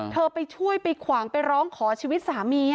ไปช่วยไปขวางไปร้องขอชีวิตสามี